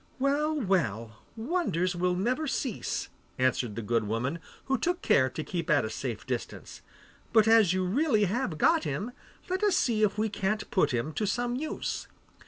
'Well, well, wonders will never cease,' answered the good woman, who took care to keep at a safe distance. 'But as you really have got him, let us see if we can't put him to some use.